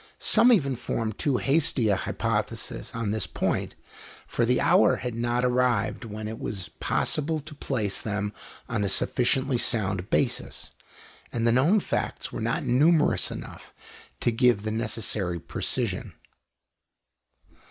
Some even formed too hasty hypotheses on this point; for the hour had not arrived when it was possible to place them on a sufficiently sound basis, and the known facts were not numerous enough to give the necessary precision.